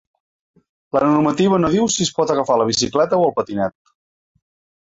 La normativa no diu si es pot agafar la bicicleta o el patinet.